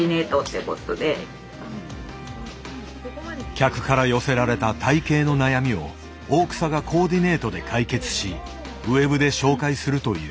客から寄せられた体形の悩みを大草がコーディネートで解決しｗｅｂで紹介するという。